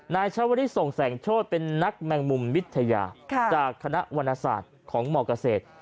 นายชาวนิสงสังโชธเป็นนักแมงมุมวิทยาจากคณะวรรณสารของหมอกเกษตร